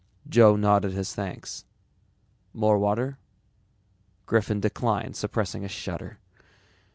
Joe nodded his thanks. "More water?" Griffin declined, suppressing a shudder.